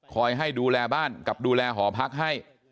ให้ดูแลบ้านกับดูแลหอพักให้